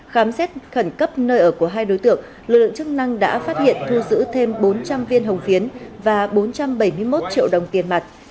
khám xét khẩn cấp nơi ở của hai đối tượng lực lượng chức năng đã phát hiện thu giữ thêm bốn trăm linh viên hồng phiến và bốn trăm bảy mươi một triệu đồng tiền mặt